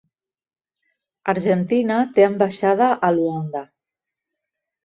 Argentina té ambaixada a Luanda.